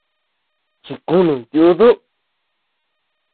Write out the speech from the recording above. Chikunu yuduu.